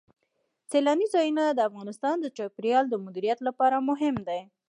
سیلانی ځایونه د افغانستان د چاپیریال د مدیریت لپاره مهم دي.